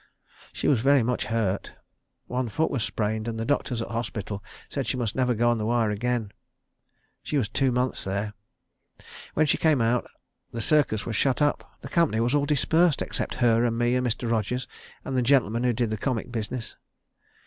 She was very much hurt. One foot was sprained, and the doctors at the hospital said she must never go on the wire again. She was two months there. When she came out the circus was shut up. The company was all dispersed except her and me and Mr. Rogers, and the gentleman who did the comic business.